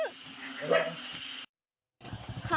อยู่ตรงนั้น